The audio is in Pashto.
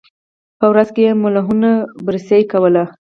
په ورځ کې یې محلونه بررسي کول.